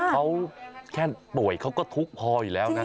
เขาแค่ป่วยเขาก็ทุกข์พออยู่แล้วนะ